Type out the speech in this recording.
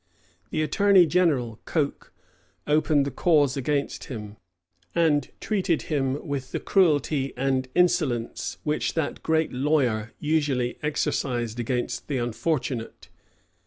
The attorney general, Coke, opened the cause against him, and treated him with the cruelty and insolence which that great lawyer usually exercised against the unfortunate.